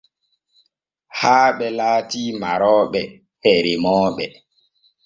Haaɓe laati marooɓe he remmoɓe.